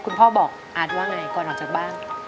พ่อบอกอาร์ตว่าไงก่อนออกจากบ้าน